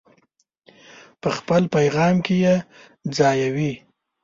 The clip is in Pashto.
په خپل پیغام کې یې ځایوي.